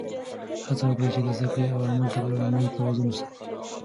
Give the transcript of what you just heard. هڅه وکړه چې د زده کړې او عمل تر منځ توازن وساته.